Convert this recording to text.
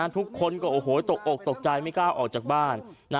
ทุกคนก็โอ้โหตกอกตกใจไม่กล้าออกจากบ้าน